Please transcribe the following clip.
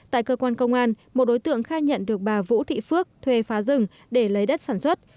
tại cơ quan công an một đối tượng khai nhận được bà vũ thị phước thuê phá rừng để lấy đất sản xuất